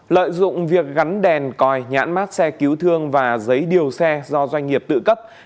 lợi dụng việc gắn đèn còi nhãn mát xe cứu thương và giấy điều xe do doanh nghiệp tự cấp